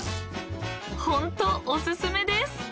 ［ホントお薦めです！］